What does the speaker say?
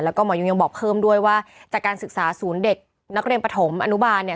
แล้วก็หมอยุงยังบอกเพิ่มด้วยว่าจากการศึกษาศูนย์เด็กนักเรียนปฐมอนุบาลเนี่ย